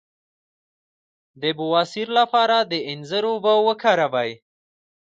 د بواسیر لپاره د انځر اوبه وکاروئ